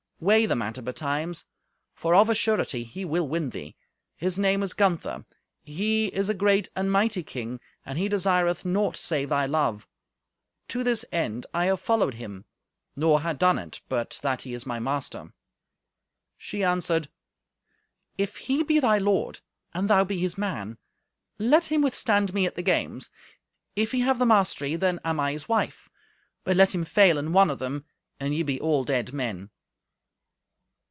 Weigh the matter betimes, for of a surety he will win thee. His name is Gunther; he is a great and mighty king, and he desireth naught save thy love. To this end I have followed him, nor had done it, but that he is my master." She answered, "If he be thy lord, and thou be his man, let him withstand me at the games. If he have the mastery, then I am his wife, but let him fail in one of them, and ye be all dead men."